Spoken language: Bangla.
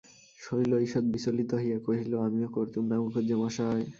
শৈল ঈষৎ বিচলিত হইয়া কহিল, আমিও করতুম না মুখুজ্যেমশায়।